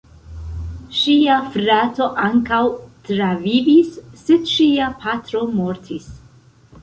Ŝia frato ankaŭ travivis, sed ŝia patro mortis.